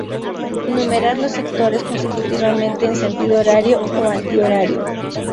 Numerar los sectores consecutivamente en sentido horario o antihorario.